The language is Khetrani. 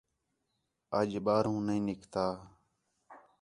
اَڄ ٻاہروں نِھیں نِکتا